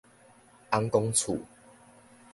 尪公厝